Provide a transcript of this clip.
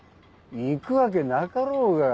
行くわけなかろうが。